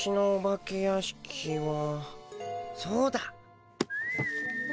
そうだ！